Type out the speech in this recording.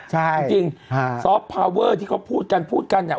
จริงซอฟต์พาเวอร์ที่เขาพูดกันพูดกันเนี่ย